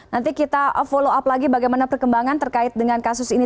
nanti kita follow up lagi bagaimana perkembangan terkait dengan kasus ini